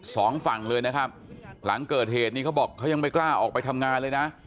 สองฝั่งเลยนะครับหลังเกิดเหตุนี้เขาบอกเขายังไม่กล้าออกไปทำงานเลยนะ